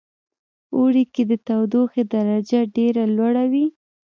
اوړی کې د تودوخې درجه ډیره لوړه وی